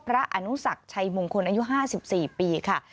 พระอนุษักชัยมงคลอายุห้าสิบสี่ปีค่ะ